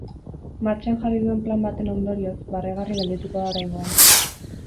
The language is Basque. Martxan jarri duen plan baten ondorioz, barregarri geldituko da oraingoan.